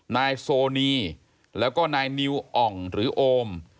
นายโซนีแล้วก็นายนิวอ่องหรือโอม